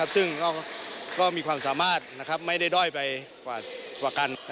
ซึ่งก็มีความสามารถไม่ได้ด้อยไปกว่ากัน